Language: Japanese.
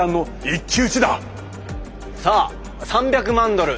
さあ３００万ドル！